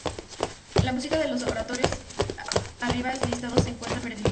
La música de los oratorios arriba listados se encuentra perdida.